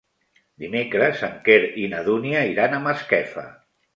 Dimecres en Quer i na Dúnia iran a Masquefa.